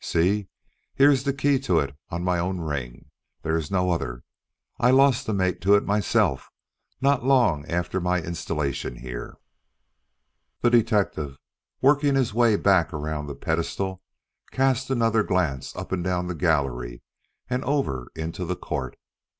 See! Here is the key to it on my own ring. There is no other. I lost the mate to it myself not long after my installation here." The detective, working his way back around the pedestal, cast another glance up and down the gallery and over into the court.